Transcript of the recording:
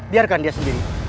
biarkan dia sendiri